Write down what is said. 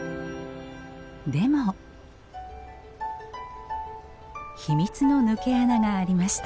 でも秘密の抜け穴がありました。